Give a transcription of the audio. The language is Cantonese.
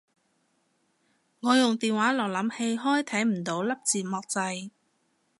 我用電話瀏覽器開睇唔到粒字幕掣